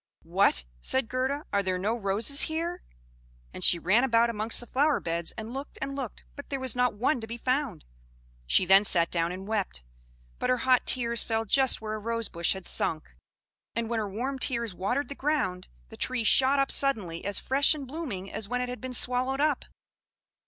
"What!" said Gerda. "Are there no roses here?" and she ran about amongst the flowerbeds, and looked, and looked, but there was not one to be found. She then sat down and wept; but her hot tears fell just where a rose bush had sunk; and when her warm tears watered the ground, the tree shot up suddenly as fresh and blooming as when it had been swallowed up.